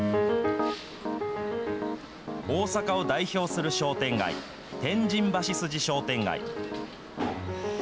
大阪を代表する商店街、天神橋筋商店街。